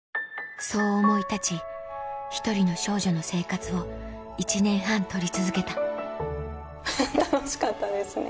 そう思い立ち１人の少女の生活を１年半撮り続けた楽しかったですね。